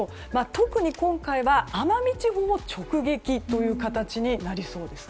特に今回は奄美地方を直撃という形になりそうです。